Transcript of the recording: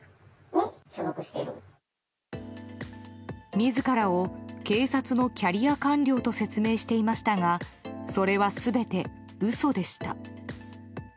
自らを警察のキャリア官僚と説明していましたがそれは全て嘘でした。